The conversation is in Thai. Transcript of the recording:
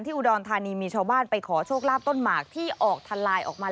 อุดรธานีมีชาวบ้านไปขอโชคลาภต้นหมากที่ออกทะลายออกมา